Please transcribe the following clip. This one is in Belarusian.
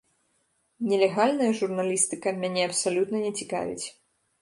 Нелегальная журналістыка мяне абсалютна не цікавіць.